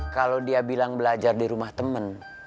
kalau dia bilang belajar di rumah teman